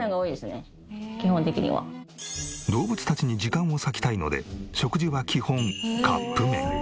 動物たちに時間を割きたいので食事は基本カップ麺。